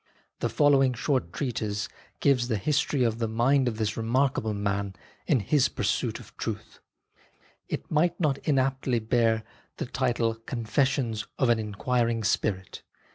The following short treatise gives 7 8 HIS SEARCH FOR TRUTH the history of the mind of this remarkable man in his pursuit of truth. It might not inaptly bear the title " Confessions of an Inquiring Spirit."